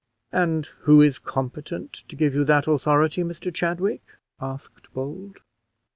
"And who is competent to give you that authority, Mr Chadwick?" asked Bold.